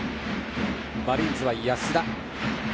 マリーンズは安田。